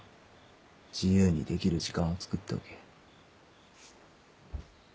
自由にできる時間をつくっておけ。